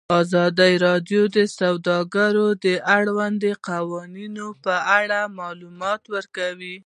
ازادي راډیو د سوداګري د اړونده قوانینو په اړه معلومات ورکړي.